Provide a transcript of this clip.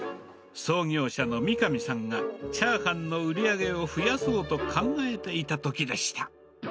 創業者の三神さんが、チャーハンの売り上げを増やそうと考えていたときでした。